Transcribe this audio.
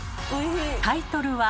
タイトルは。